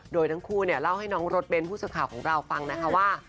โดยทั้งคู่เล่าให้น้องรดเบนผู้สังขาวของเราฟังนะคะว่า